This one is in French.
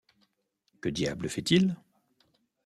Que diable fait-il?